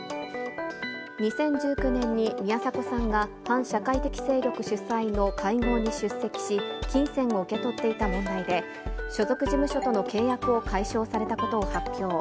２０１９年に宮迫さんが反社会的勢力主催の会合に出席し、金銭を受け取っていた問題で、所属事務所との契約を解消されたことを発表。